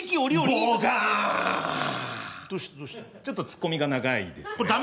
ちょっとツッコミが長いですね。